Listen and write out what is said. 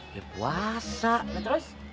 bisa puasa nah terus